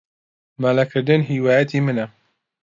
مەلەکردن هیوایەتی منە.